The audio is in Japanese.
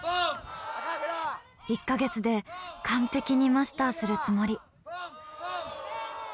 １か月で完璧にマスターするつもり。